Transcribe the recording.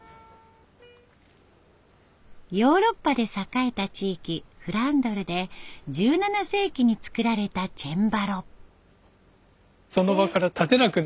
ヨーロッパで栄えた地域フランドルで１７世紀に作られたチェンバロ。